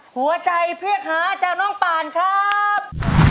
หัวใจเพลียงหาจากน้องป่านครับ